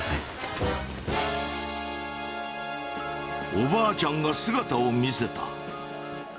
おばあちゃんが姿を見せた。